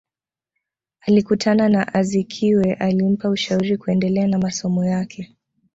Alikutana na Azikiwe alimpa ushauri kuendelea na masomo yake